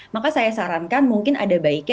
maka saya sarankan mungkin ada baiknya